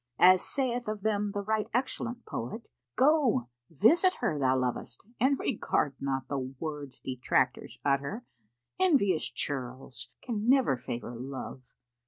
As saith of them the right excellent poet,[FN#483] "Go, visit her thou lovest, and regard not The words detractors utter; envious churls Can never favour love.